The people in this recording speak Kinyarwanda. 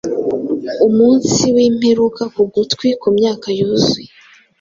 Umunsi wimperuka ku gutwi Ku myaka-yuzuye